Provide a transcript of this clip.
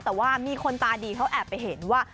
แต่ว่ามีคนตาดีเขาแอบไปเห็นว่า